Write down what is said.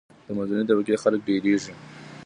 د منځنۍ طبقی خلک ډیریږي.